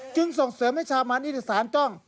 จึงส่งเสริมให้ชาวมานิติสารจ้อง